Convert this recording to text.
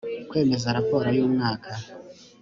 kwemeza raporo y umwaka